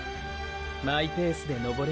マイペースで登ればいい。